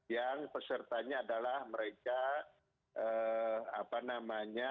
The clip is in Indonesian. yang pesertanya adalah mereka apa namanya